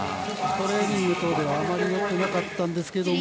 トレーニングなどではあまり出なかったんですが。